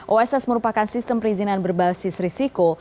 oss merupakan sistem perizinan berbasis risiko